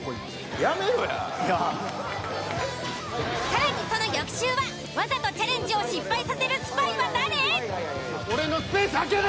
更にその翌週はわざとチャレンジを失敗させるスパイは誰？